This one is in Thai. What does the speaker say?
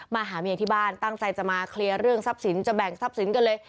มาหาเมียที่บ้านตั้งใจจะมาเคลียร์เรื่องทรัพย์สินจะแบ่งทรัพย์สินกันเลย